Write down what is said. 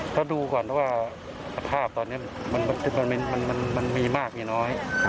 ก็ดูก่อนเพราะว่าภาพตัวนี้มีมากมีน้อย